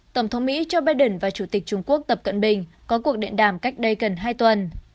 tổng thống mỹ joe biden và chủ tịch trung quốc tập cận bình có cuộc điện đàm cách đây gần hai tuần